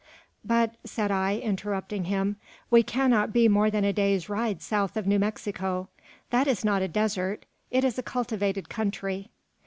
"But," said I, interrupting him, "we cannot be more than a day's ride south of New Mexico. That is not a desert; it is a cultivated country."